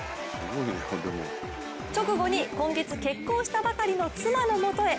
直後に今月、結婚したばかりの妻のもとへ。